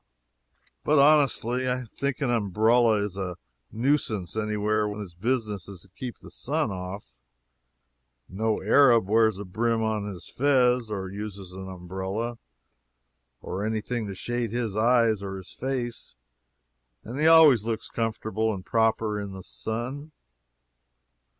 But, honestly, I think an umbrella is a nuisance any where when its business is to keep the sun off. No Arab wears a brim to his fez, or uses an umbrella, or any thing to shade his eyes or his face, and he always looks comfortable and proper in the sun.